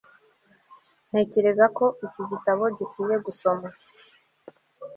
ntekereza ko iki gitabo gikwiye gusoma